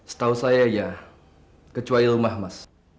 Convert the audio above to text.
setahu saya ya kecuali rumah mas